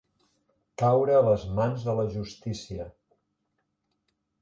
Caure a les mans de la justícia.